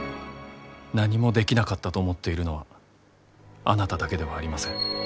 何もできなかったと思っているのはあなただけではありません。